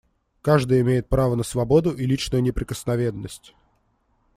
Каждый имеет право на свободу и личную неприкосновенность.